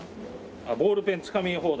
ボールペンつかみ放題。